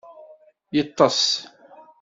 Yeṭṭeṣ.